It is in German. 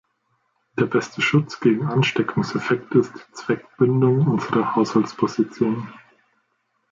Der beste Schutz gegen Ansteckungseffekte ist die Zweckbindung unserer Haushaltspositionen.